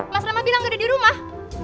mas ramah bilang gak ada di rumah